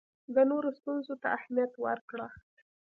د نورو ستونزو ته اهمیت ورکړه.